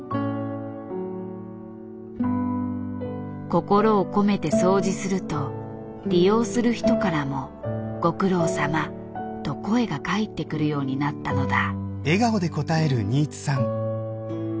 心を込めて掃除すると利用する人からも「ご苦労さま」と声が返ってくるようになったのだ。